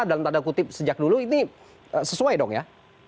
dalam tanda kutip sejak dulu ini sesuai dong ya